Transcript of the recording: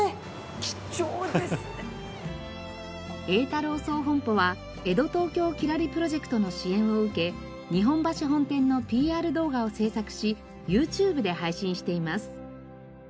榮太樓總本鋪は江戸東京きらりプロジェクトの支援を受け日本橋本店のＰＲ動画を制作しＹｏｕＴｕｂｅで配信しています。